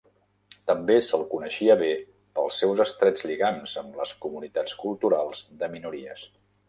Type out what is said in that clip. També se'l coneixia bé pels seus estrets lligams amb les "comunitats culturals" de minories.